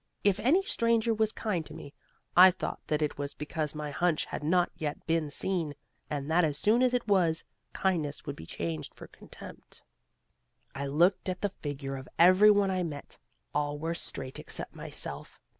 If any stranger was kind to me, I thought that it was because my hunch had not yet been seen, and that as soon as it was, kindness would be changed for contempt. I looked at the figure of every one I met; all were straight except myself.